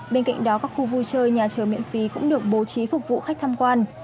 bên cạnh đó các khu vui chơi nhà chờ miễn phí cũng được bố trí phục vụ khách tham quan